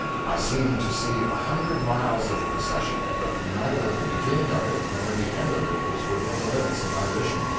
I seemed to see a hundred miles of the procession, but neither the beginning of it nor the end of it was within the limits of my vision.